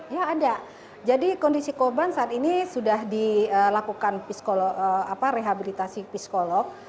ya ada jadi kondisi korban saat ini sudah dilakukan rehabilitasi psikolog